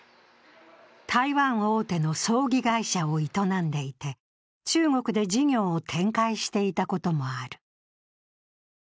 台湾大手の葬儀会社を営んでいて中国で事業を展開していたこともある。